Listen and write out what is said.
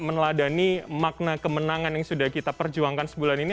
meneladani makna kemenangan yang sudah kita perjuangkan sebulan ini